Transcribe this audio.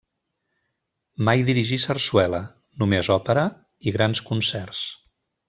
Mai dirigí sarsuela; només òpera i grans concerts.